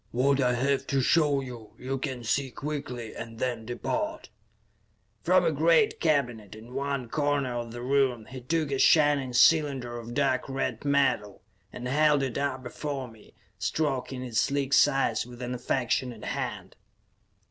"What I have to show you, you can see quickly, and then depart." From a great cabinet in one corner of the room he took a shining cylinder of dark red metal, and held it up before him, stroking its sleek sides with an affectionate hand.